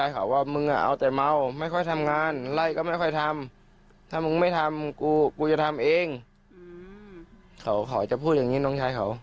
เขาจะพูดอย่างนี้น้องชายเขา